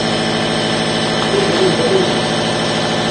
Ḥwajeɣ yiwen d amaynut.